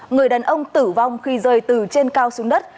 người đàn ông tử vong khi rơi từ trên cao xuống đất